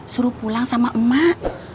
suruh pulang sama emak